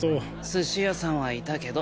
寿司屋さんはいたけど。